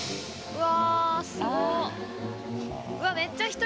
うわ！